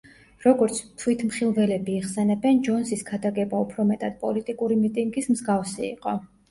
როგორც თვითმხილველები იხსენებენ, ჯონსის ქადაგება უფრო მეტად პოლიტიკური მიტინგის მსგავსი იყო.